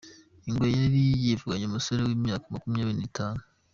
Ingwe yari yivuganye umusore w’imyaka Makumyabiri Nitanu